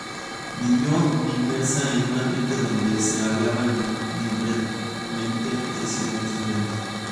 Vivió inmersa en un ambiente donde se hablaban libremente tres idiomas diferentes.